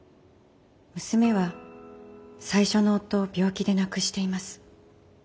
娘は最初の夫を病気で亡くしています。